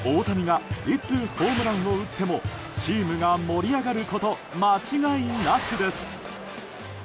大谷がいつホームランを打ってもチームが盛り上がること間違いなしです。